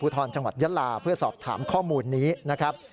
ทรจังหวัดยะลาเพื่อสอบถามข้อมูลนี้นะครับ